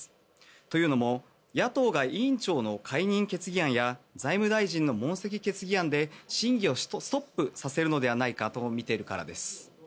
というのも野党が委員長の解任決議案や財務大臣の問責決議案で審議をストップさせるのではないかとみているからです。